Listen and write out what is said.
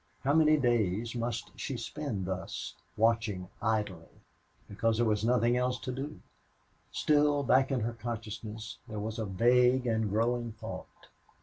How many days must she spend thus, watching idly, because there was nothing else to do? Still, back in her consciousness there was a vague and growing thought.